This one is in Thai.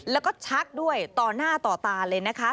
แล้วก็ชักด้วยต่อหน้าต่อตาเลยนะคะ